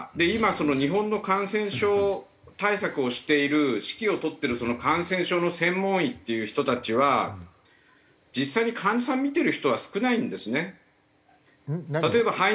今日本の感染症対策をしている指揮を執ってるその感染症の専門医っていう人たちは実際に患者さん診てる人は少ないんですね。